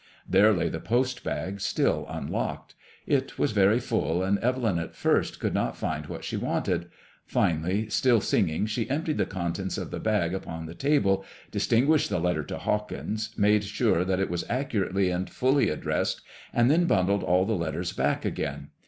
There lay the post bag, still unlocked. It was very fully and Evelyn at first could not find what she wanted. Finally, still singing, she emptied the contents of the bag upon the table, distinguished the letter to Hawkins, made sure that it was accurately and fully ad dressed, and then bundled all the letters back again.